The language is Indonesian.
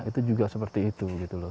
itu juga seperti itu